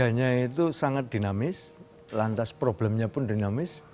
harganya itu sangat dinamis lantas problemnya pun dinamis